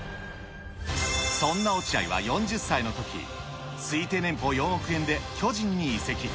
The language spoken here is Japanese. そんな落合は４０歳のとき、推定年俸４億円で巨人に移籍。